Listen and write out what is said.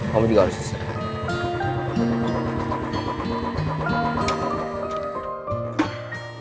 kamu juga harus disediakan